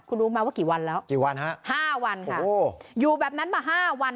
คุณรู้ไหมว่ากี่วันแล้วกี่วันฮะห้าวันค่ะโอ้อยู่แบบนั้นมาห้าวัน